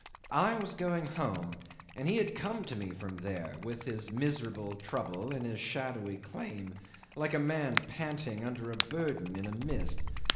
I was going home, and he had come to me from there, with his miserable trouble and his shadowy claim, like a man panting under a burden in a mist.